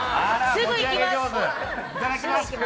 すぐ行きます！